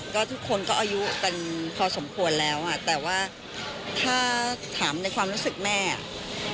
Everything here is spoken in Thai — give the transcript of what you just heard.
ก็ทุกคนก็อายุกันพอสมควรแล้วอ่ะแต่ว่าถ้าถามในความรู้สึกแม่อ่ะ